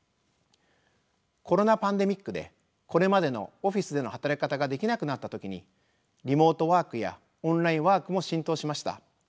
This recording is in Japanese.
コロナ・パンデミックでこれまでのオフィスでの働き方ができなくなった時にリモートワークやオンラインワークも浸透しました。